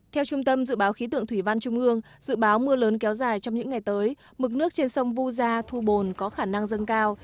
theo trung tâm dự báo khí tượng thủy văn trung ương dự báo mưa lớn kéo dài trong những ngày tới mực nước trên sông vu gia thu bồn có khả năng dâng cao